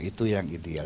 itu yang ideal